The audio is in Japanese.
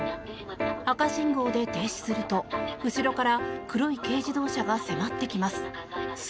赤信号で停止すると後ろから黒い軽自動車が迫ってきます。